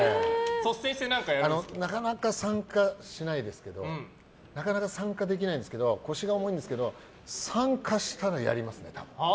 なかなか参加しないですけどなかなか参加できないんですけど腰が重いんですけど参加したら、やりますね。